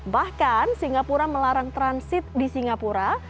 bahkan singapura melarang transit di singapura